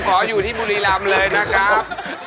สุโคไทยครับสุโคไทยครับสุโคไทยครับ